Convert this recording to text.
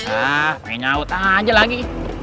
ah main nyaut aja lagi